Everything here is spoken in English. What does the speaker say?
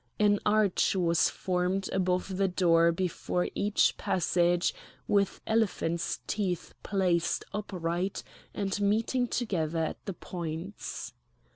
An arch was formed above the door before each passage with elephants' teeth placed upright and meeting together at the points.